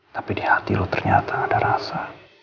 tapi di hati lo ternyata ada rasa